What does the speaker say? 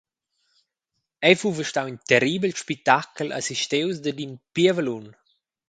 Ei fuva stau in terribel spitachel assistius dad in pievelun.